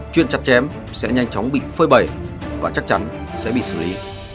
chuyện chặt chém sẽ nhanh chóng bị phơi bầy và chắc chắn sẽ bị xử lý